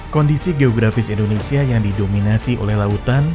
kondisi geografis indonesia yang didominasi oleh lautan